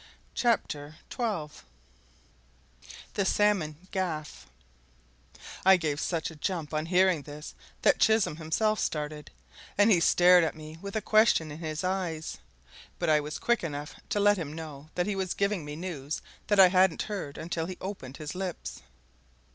CHAPTER XII THE SALMON GAFF I gave such a jump on hearing this that Chisholm himself started, and he stared at me with a question in his eyes. But I was quick enough to let him know that he was giving me news that I hadn't heard until he opened his lips.